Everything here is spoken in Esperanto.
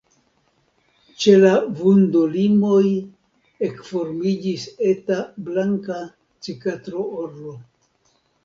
Ĉe la vundolimoj ekformiĝis eta blanka cikatro-orlo.